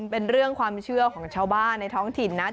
เป็นเรื่องความเชื่อของชาวบ้านในท้องถิ่นนะ